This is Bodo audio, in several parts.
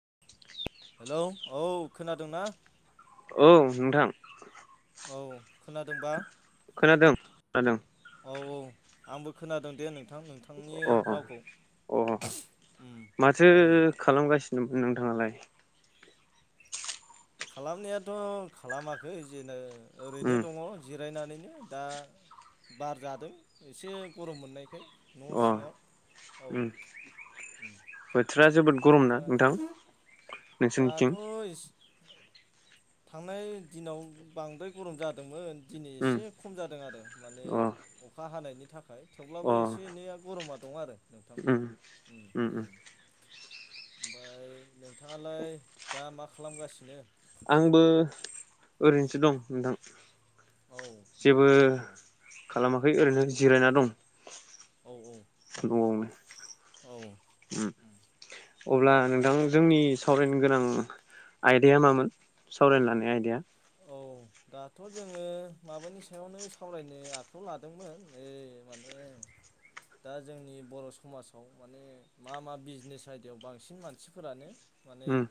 [inaudible] हेलौ औ खोनादोंना? ओं नोंथां औ खोनादोंबा? खोनादों खोनादों औ औ आंबो खोनादों दे नों थां नोंथांनि अ रावखौ अ अ उम औ नों नोंथाङालाय? खालामनायाथ' खालामाखै जेनो ओरैनो उम दङ जिरायनानैनो दा बार जादों एसे गरम मोननायखाय न' अ सिङाव औ उम थोरा जोबोद गरम ना ओमफ्राय नोंथां? नोंसोरनिथिं दाथ' इस थांनाय दिनाव बांद्राय गरम जादोंमोन। दिनै उम एसे खम जादों आरो माने अ अखा हानायनि थाखाय अ थेवब्लाबो एसे एनैया गरमा दं आरो नोंथां उम उम उ उ। उम ओमफाय नोंथाङालाय दा मा खालामगासिनो? आंबो ओरैनोसो दं नोंथां। औ दे दे औ। फै ओरैनो जिरायना दं। औ औ उम न'आवनो उम औ अब्ला होमबा नोंथां जोंनि सावरायनो गोनां आयदाया मामोन सावरायनो लानाय आयदाया? औ दाथ' जोङो माबानि सायावनो सावरायनो आखायाव लादोंमोन ओइ माने दा जोंनि बर' समाजाव माने मा मा बिजनेस आयदायाव बांसिन मानसिफोरानो माने उम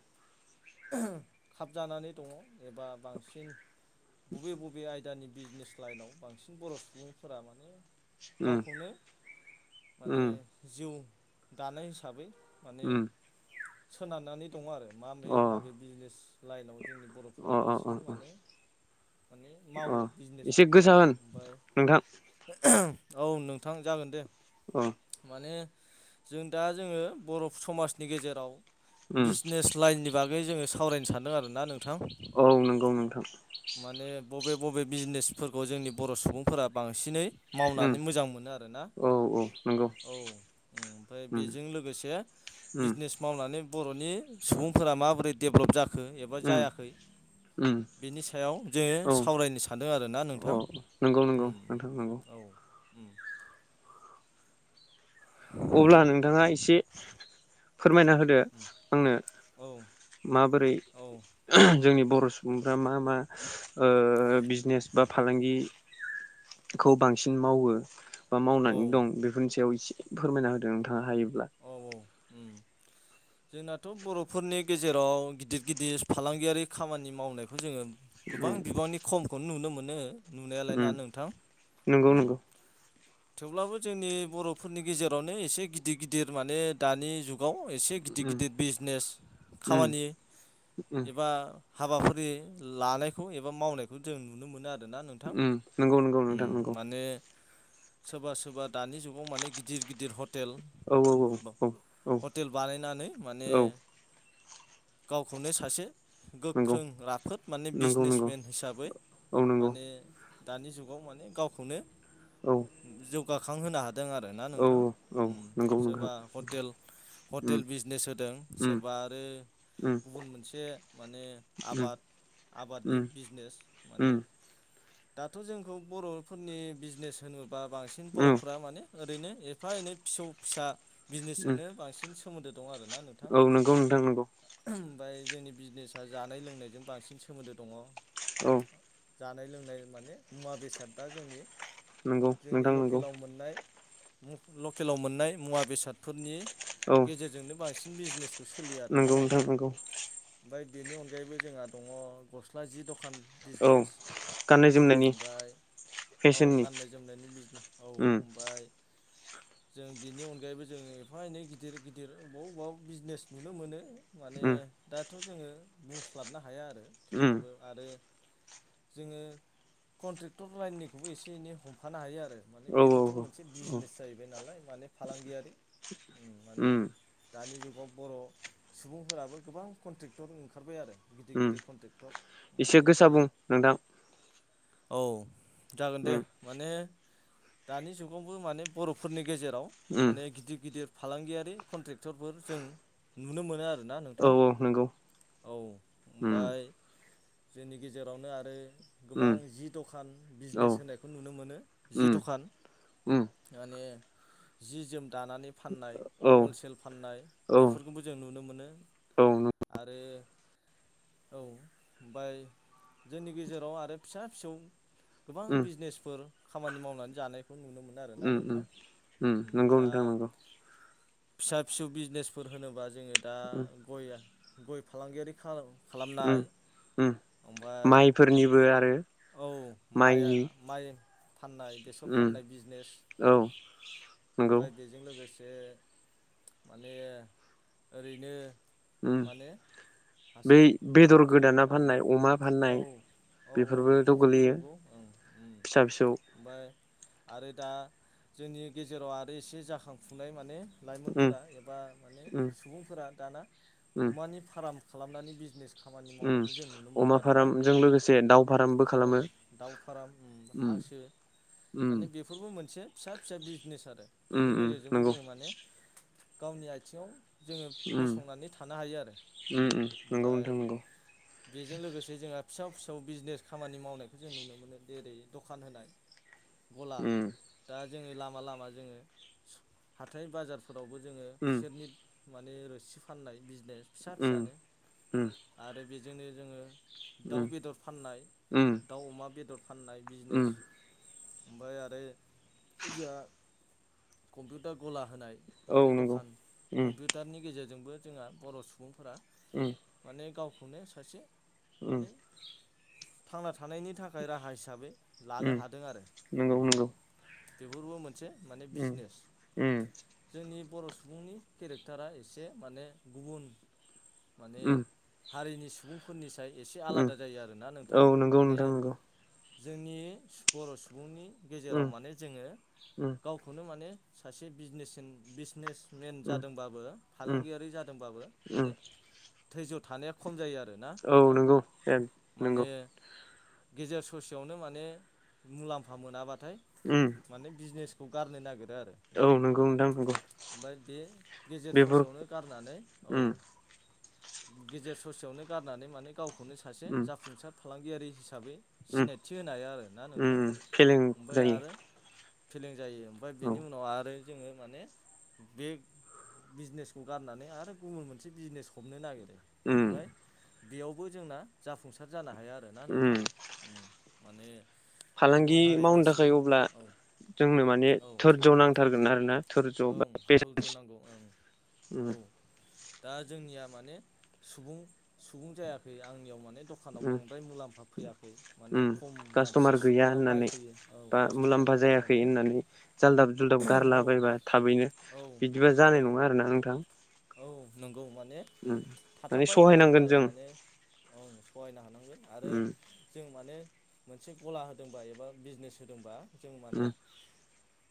ओ खाबजानानै दङ एबा बांसिन बबे बबे आयदानि बिजनेस लाइनाव बांसिन बर' सुबुंफोरा माने उम गावखौनो माने उम जिउ दानाय हिसाबै माने उम सोनारनानै दङ आरो माबे अ माबे बिजनेस लाइनाव जोंनि बर'फ्रा अ अ बांसिन अ माने माने अ मावो एसे बिजनेसफोरखौ गोसा मावो होन ओमफ्राय नोंथां औ नों थां जागोन दे औ माने जों दा जोङो बरफ समाजनि गेजेराव उम बिजनेस लाइननि बा गै जोङो सावरायनो सानदों आरोना नोंथां। औ नंगौ नोंथां। माने बबे बबे बिजनेसफोरखौ जोंनि बर' सुबुंफोरा बांसिनै उम मावनानै मोजां मोनो आरोना औ औ नंगौ औ उम ओमफाय उम बेजों लोगोसे उम बिजनेस मावनानै बर'नि सुबुंफोरा माबोरै डेभ्लप जाखो एबा उम जायाखै उम बिनि सायाव जोङो औ सावरायनो सानदों आरोना औ नोंथां। नंगौ नंगौ उम नोंथां नंगौ। औ उम। अब्ला नोंथाङा एसे फोरमायना होदो उम आंनो औ माबोरै औ ओ जोंनि बर' सुबुंफ्रा मा मा ओ बिजनेस बा फालांगि खौ बांसिन मावो बा औ मावनानै दं बेफोरनि सायाव एसे फोरमायना होदों नोंथाङा हायोब्ला? औ औ उम जोंनाथ' बर'फोरनि गेजेराव गिदिर गिदिर फालांगियारि खामानि मावनायखौ जोङो गोबां उम बिबांनि खमखौनो नुनो मोनो नुनायालाय उम ना नोंथां नंगौ उम नंगौ थेवब्लाबो जोंनि बर'फोरनि गेजेरावनो एसे गिदिर गिदिर माने दानि जुगाव एसे गिदिर उम गिदिर बिजनेस उम खामानि उम एबा हाबाफारि लानायखौ एबा मावनायखौ जों नुनो मोनो आरो उम नंगौ नंगौ नोंथां नोंगौ माने सोरबा सोरबा दानि जुगाव माने गिदिर गिदिर हर हेल औ औ औ औ औ हटेल बानायनानै माने औ गावखौनो सासे नंगौ गोख्रों राफोद माने नंगौ नंगौ बिजनेसमेन हिसाबै औ नंगौ माने दानि जुगाव माने गावखौनो औ जौगाखांहोनो हादों आरो ना औ नोंथां औ उम नंगौ नोंथां सोरबा हटेल उम हटेल बिजनेस होदों उम सोरबा आरो उम गुबुन मोनसे माने उम आबाद आबादनि उम बिजनेस उम माने दाथ' जोंखौ बर'फोरनि बिजनेस होनोब्ला बांसिन उम बर'फोरा माने ओरैनो एफा एनै फिसौ फिसा उम बिजनेसजोंनो बांसिन सोमोन्दो दं आरोना नोंथां औ नोंगौ नोंथां नंगौ। ओमफ्राय जोंनि बिजनेसा जानाय लोंनायजों बांसिन सोमोन्दो दङ। औ जानाय लोंनाय माने मुवा बेसाद दा जोंनि नंगौ जोंनि नोंथां नंगौ लकेलाव मोननाय लकेलाव मोननाय मुवा बेसादफोरनि औ गेजेरजोंनो बांसिन बिजनेस बेखौ सोलियो आरो आरोना नंगौ नोंथां नंगौ ओमफ्राय बेनि अनगायैबो जोंहा दङ गस्ला जि दखान औ बिजनेस गाननाय जोमनायनि ओमफ्राय औ फेशननि गाननाय जोमनायनि बिजने औ उम ओमफ्राय जों बेनि अनगायैबो जों एफा एनै गिदिर गिदिर बबाव अबेबा बिजनेस नुनो मोनो माने उम दाथ' जोङो बुंस्लाबनो हाया आरो उम थेवब्लाबो आरो जोङो कन्ट्रेक्टर लाइननिखौबो एसे एनै हमफानो हायो आरो माने औ औ बेबोथ' औ मोनसे बिजनेस जाहैबाय नालाय माने फालांगियारि माने उम दानि जुगाव बर' सुबुंफोराबो गोबां कन्ट्रेक्टर ओंखारबाय आरो गिदिर गिदिर कन्ट्रेक्टर माने इसे गोसा जाय बुं नोंदां औ जागोन दे माने दानि जुगावबो माने बर'फोरनि गेजेराव उम माने गिदिर गिदिर फालांगियारि कन्ट्रेक्टरफोर जों नुनो मोनो आरोना औ नोंथां नंगौ औ उम ओमफ्राय जोंनि गेजेरावनो आरो गोबां उम जि दखान औ बिजनेस होनाय बेखौ नुनो मोनो जि उम दखान उम माने जि जोम दानानै फाननाय औ हलसेल फाननाय औ औ बेफोरखौबो जों नुनो मोनो उम आरो औ ओमफाय जोंनि गेजेराव आरो फिसा फिसौ गोबां बिजनेस फोर खामानि मावनानै जानायखौ नुनो मोन आरोना उम उम नोंथां उम नंगौ दा नोंथां नंगौ फिसा फिसौ बिजनेसफोर होनोबा जोङो दा उम गय फालांगियारि खालाम उम खालामनाय ओमफ्राय माइफोरनिबो आरो औ माइ माइनि माइ फाननाय बेसर उम फाननाय बिजनेस औ नंगौ ओमफफ्राय बेजों लोगोसे माने ओरैनो उम माने बै हासार बेदर गोदाना औ फाननाय अमा फाननाय औ औ औ बेफोरबोथ' बेफोरबो गोलैयो नंगौ ओं फिसा फिसौ ओमफ्राय आरो दा जोंनि गेजेराव आरो एसे जाखांफुनाय माने उम लाइमोनफोरा एबा माने उम सुबुंफोरा दाना उम अमानि फार्म खालामनानै बिजनेस खामानि उम मावनायखौ जों नुनो मोनदों अमा आरोना फार्मजों लोगोसे दाउ फार्मबो खालामो औ दउ फाराम उम उम माने बेफोरबो मोनसे फिसा फिसौ बिजनेस आरो उम बेनि उम गेजेरजोंबो नंगौ जोङो माने गावनि आथिङाव जोङो उम गसंनानै थानो हायो आरो उम उम नंगौ ओमफ्राय नोंथां नंगौ बेजों लोगोसे जोंहा फिसौ फिसौ बिजनेस खामानि मावनायखौ जों नुनो मोनो जेरै गला उम दा जोङो लामा लामा जोङो हाथाय बाजारफोरावबो जोङो उम खुसेरनि माने रोसि फाननाय बिजनेस फिसा उम फिसानो उम आरो बेजोंनो जोङो उम दाउ बेदर फाननाय उम दाउ अमा बेदर फाननाय उम बिजनेस ओमफ्राय आरो जोंहा कम्पिउटार गला होनाय औ माने नंगौ दखान उम कम्पिउटारनि गेजेरजोंबो जोंहा बर' सुबुंफोरा उम माने गावखौनो सासे उम माने थांना थानायनि थाखाय राहा हिसाबै लानो उम हादों आरो नंगौ नंगौ बेफोरबो मोन उम उम जोंनि बर' सुबुंनि केरेक्टारा एसे माने गुबुन माने उम हारिनि सुबुंफोरनि साय एसे उम आलादा जायो आरोना औ नोंथां नंगौ माने नोंथां नंगौ जोंनि बर' सुबुंनि गेजेराव उम माने जोङो उम गावखौनो माने सासे बिजिनेस बिजिनेस मेन उम जादोंबाबो उम फालांगियारि जादोंबाबो उम माने धैज्य' थानाया खम जायो आरो। औ नंगौ ए नंगौ। गेजेर ससेयावनो माने मुलाम्फा मोनाबाथाय उम माने बिजिनेस खौ गारनो नागिरो आरो ना औ नोंथां। नंगौ नंगौ ओमफाय बे गेजेर बेफोर ससेयावनो गारनानै औ। उम गेजेर ससेयावनो गारनानै माने गावखौनो सासे उम जाफुंसार फालांगियारि हिसाबै। उम सिनायथि होनाया हो आरो ना उम नोंथां फेलें ओमफ्राय जायो आरो फेलें जायो। ओमफाय बेनि औ उनाव आरो जोङो माने बे बिजिनेसखौ गारनानै आरो गुबुन मोनसे बिजिनेस हमनो नागिरो दे उम ओमफाय बेयावबो जोंना जाफुंसार जानो हाया आरोना उम नोंथां ओं माने गुबुन फालांगि हारिनि मावनो थाखाय सुबुं अब्ला औ जोंनो माने औ थोरज्य नांथारगोन ओं आरोना धोरज्य ओं बा थौ दोननांगौ ओं [unintelligible] उम। औ दा जोंनिया माने सुबुं सुबुं जायाखै आंनियाव माने दखानाव उम बांद्राय मुलाम्फा फैयाखै माने उम खम मानसि कास्ट'मार सुबुङा बायफैयो औ [unintelligible] मुलामफा जायाखै होननानै होनना जालदाब जुदाब औ गारलाबायबा थाबैनो औ बिदिबा औ जानाय नङा आरोना नोंथां। [inaudible] औ नंगौ माने उम माने थाथाबबाय थानांगोन सहायनांगोन आरो जों माने [unintelligible] थांगोन आरो उम जों माने मोनसे गला होदोंबा एबा बिजिनेस होदोंबा जों माने उम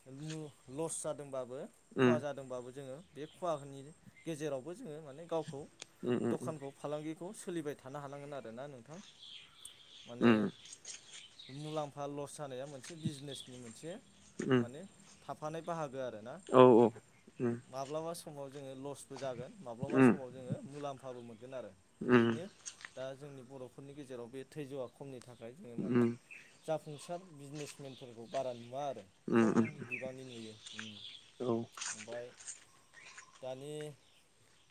लस जादोंबाबो उम खहा जादोंबाबो जोङो बे खहानि गेजेरावबो जोङो माने गावखौ उम दखानखौ फालांगि खौ सोलिबाय थानो हानांगोन आरोना नोंथां माने उम मुलामफ फा लस जानाया मोनसे बिजिनेसनि मोनसे उम माने थाफानाय बाहागो। गो आरोना औ उम उम माब्लाबा समाव। जोङो लसबो जागोन माब्लाबा उम समाव जोङो मुलाम्फाबो मोनगोन आरो उम उम बेनो दा जोंनि बर'फोरनि गेजेराव बे थैजौआ खमनि थाखाय जोङो माने जाफुं फुंसार बिजनेसमेनफोरखौ बारा नुवा आरो। उम खम बिबांनि नुयो उम औ उम ओमफाय। दानि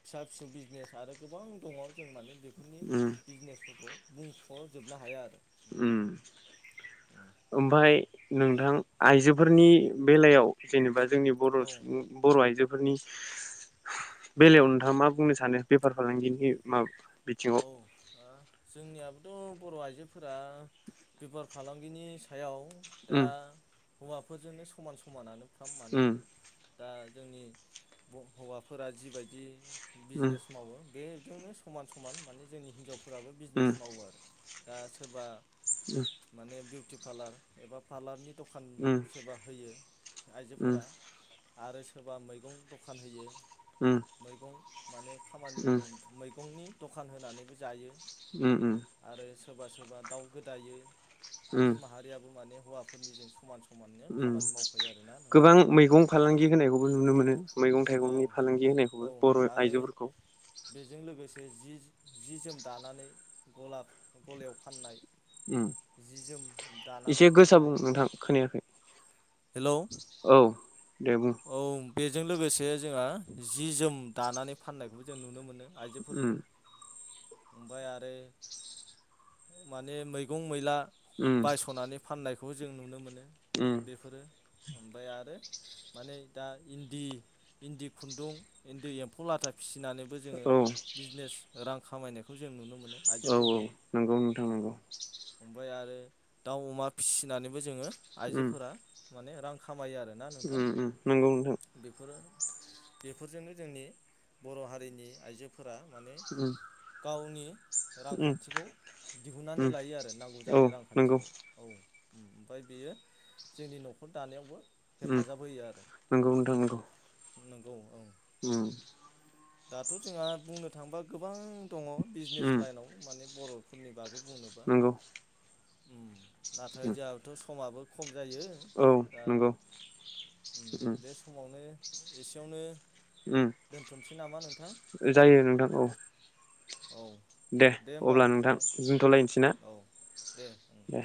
फिसा फिसौ बिजिनेस आरो गोबां दङ जों माने बेफोरनि बिजिनेसफोरखौ बुंख'जोबनो हाया आरो। उम ओम औ ओमफाय नोंथां औ आइजोफोरनि बेलायाव जेनेबा जोंनि बर औ सुबुं बर' आइजो फोरनि बेलायाव नोंथाङा मा बुंनो सानो बेफार फालांगिनि मा औ ओ जोंनियाबो थ' बर' आइजोफोरा बेफार फालांगिनि सायाव दा उम हौवाफोरजोंनो समान समानानो फाम माने। उम दा जोंनि हौवाफोरा जिबायदि उम बिजिनेस मावो बे जोंनो समान समान माने जोंनि हिनजावफोराबो उम बिजिनेस मावो आरो दा सोरबा माने बिउटि पार्लार एबा पार्लारनि दखान उम सोरबा होयो उम उम आइजोफोरा आरो सोरबा मैगं दखान होयो उम उम मैगं माने खामानि मैगंनि दखान होनानैबो जायो। उम उम। आरो सोरबा सोरबा दाउ गोदायो उम उम आइजो माहारियाबो माने हौवाफोरनिजों समान समान उम खामानि मावफायो आरोना गोबां मैगं आरो फालांगि होनायखौबो नुनो मोनो मैगं थाइगंनि औ फालांगि औ होनायखौबो बर' आरो आइजोफोरखौ बेजों लोगोसे जि जि जोम दानानै गला गलायाव फाननाय उम जि जोम दानानै एसे गोस फाननाय बुं नोंथां खोनायाखै हेलौ औ दे बुं औ बेजों लोगोसे जोङो जि जोम दानानै फाननायखौबो जों नुनो मोनो आइजोफोरखौ उम ओमफ्राय आरो माने मैगं मैला उम बायस'नानै फाननायखौ खौ जों नुनो मोनो उम बेफोरो ओमफ्राय आरो माने दा इन्दि इन्दि खुन्दुं इन्दि एम्फौ लाथा फिसिनानैबो जोङो औ बिजनेस रां खामायनायखौ जों नुनो मोनो औ औ आइजोफोरखौ नंगौ नोंथां नंगौ ओमफ्राय आरो दाउ अमा फिसिनानैबो जोङो उम आइजोफोरा माने रां खामायो आरोना नोंथां उम नंगौ मोनथां बेफोरो बेफोरजोंनो जोंनि बर' हारिनि आइजोफोर फोर माने उम गावनि उम रांखान्थिखौ दिहुननानै उम लायो आरो नांगौ औ जानाय नंगौ रांखान्थिखौ औ ओमफ्राय बेयो जोंनि न'खर दानायावबो उम हेफाजाब होयो आरो उम नंगौ नोंथां नंगौ नंगौ औ उम दाथ' जोंहा बुंनो थाङोबा गोबां दङ बिजनेस उम लाइनाव माने बर'फोरनि बागै बुंनोबा नंगौ उम नाथाय उम जोंहाथ' समाबो खम जायो औ दा नंगौ उम बे समावनो एसेयावनो उ दोनथ'नोसै नामा नोंथां जायो नोंथां औ औ दे अब्ला नोंथां दोनथ'लायनोसै ना औ दे उम दे